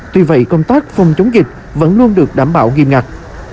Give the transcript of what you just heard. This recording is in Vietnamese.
tuy vậy công tác phòng chống dịch vẫn luôn được đảm bảo nghiêm ngặt